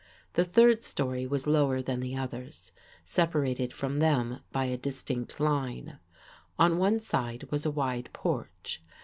The third storey was lower than the others, separated from them by a distinct line. On one side was a wide porch.